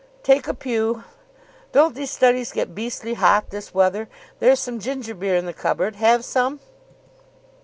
"Take a pew. Don't these studies get beastly hot this weather. There's some ginger beer in the cupboard. Have some?"